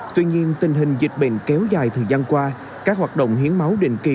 tuy nhiên tình hình dịch bệnh kéo dài thời gian qua các hoạt động hiến máu định kỳ